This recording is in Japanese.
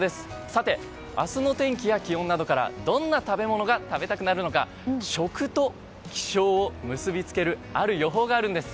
さて、明日の天気や気温などからどんな食べ物が食べたくなるのか食と気象を結び付けるある予報があるんです。